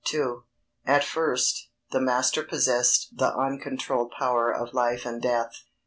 II. _At first, the master possessed the uncontrolled power of life and death.